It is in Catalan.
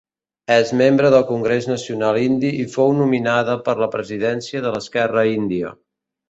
És membre del Congrés Nacional Indi i fou nominada per la presidència de l'esquerra Índia.